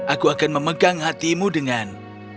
aku akan memegang hatimu dengan